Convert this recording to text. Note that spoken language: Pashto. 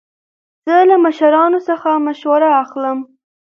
زه له مشرانو څخه مشوره اخلم.